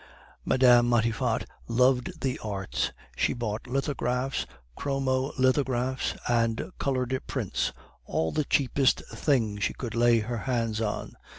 Mme. Matifat loved the arts; she bought lithographs, chromo lithographs, and colored prints, all the cheapest things she could lay her hands on.